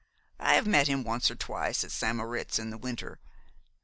I have met him once or twice at St. Moritz in the winter.